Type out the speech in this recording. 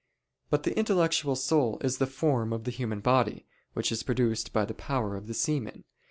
But the intellectual soul is the form of the human body, which is produced by the power of the semen.